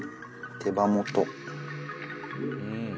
手羽元。